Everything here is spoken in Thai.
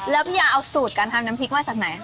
แล้วพี่ยาเอาสูตรการทำน้ำพริกมาจากไหนคะ